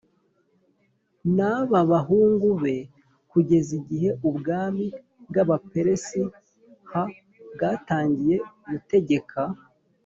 n ab abahungu be kugeza igihe ubwami bw Abaperesi h bwatangiriye gutegeka